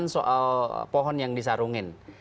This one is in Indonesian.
soal pohon yang disarungin